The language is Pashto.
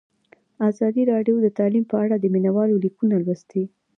ازادي راډیو د تعلیم په اړه د مینه والو لیکونه لوستي.